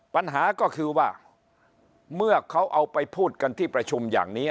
ปัญหาก็คือว่าเมื่อเขาเอาไปพูดกันที่ประชุมอย่างนี้